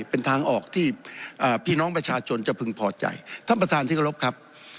เป็นทางออกที่พี่น้องประชาชนจะพึงพอใจท่านประธานที่กรบครับ